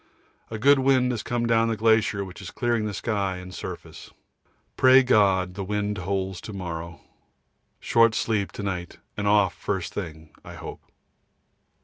A good wind has come down the glacier which is clearing the sky and surface. Pray God the wind holds to morrow. Short sleep to night and off first thing, I hope.